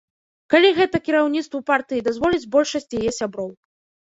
Калі гэта кіраўніцтву партыі дазволіць большасць яе сяброў.